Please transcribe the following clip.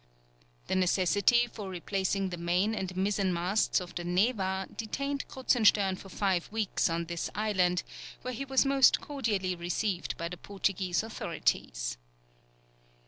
The necessity for replacing the main and mizzen masts of the Neva detained Kruzenstern for five weeks on this island, where he was most cordially received by the Portuguese authorities.